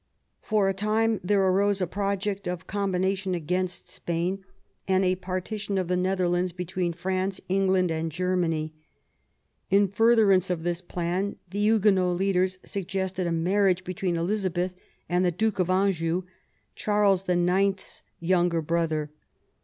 For a time there arose a project of a combination against Spain, and a partition of the Netherlands between France, England and Germany. In further ance of this plan, the Huguenot leaders suggested a marriage between Elizabeth and the Duke of Anjou, Charles IX.'s younger brother.